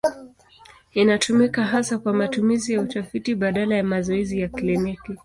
Inatumika hasa kwa matumizi ya utafiti badala ya mazoezi ya kliniki.